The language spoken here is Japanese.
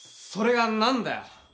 それが何だよ。